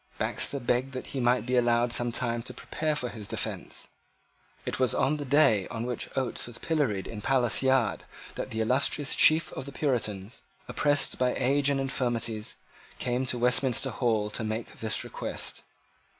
Baxter begged that he might be allowed some time to prepare for his defence. It was on the day on which Oates was pilloried in Palace Yard that the illustrious chief of the Puritans, oppressed by age and infirmities, came to Westminster Hall to make this request.